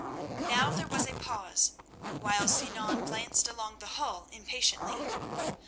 Now there was a pause, while Sinan glanced along the hall impatiently.